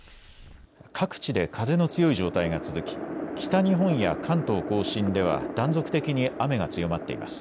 各地で風の強い状態が続き北日本や関東甲信では断続的に雨が強まっています。